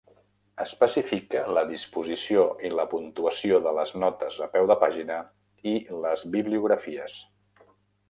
Especifica la disposició i la puntuació de les notes a peu de pàgina i les bibliografies.